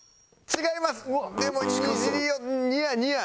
違います。